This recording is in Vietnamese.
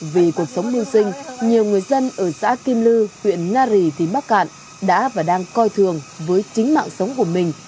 vì cuộc sống đương sinh nhiều người dân ở xã kim lư huyện nga rì thịnh bắc cạn đã và đang coi thường với chính mạng sống của mình